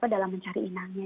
dalam mencari inangnya